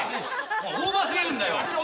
お前オーバー過ぎるんだよ。